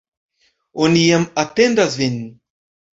Oni jam atendas vin!